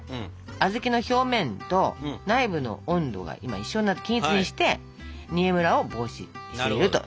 小豆の表面と内部の温度が今一緒になって均一にして煮えむらを防止していると。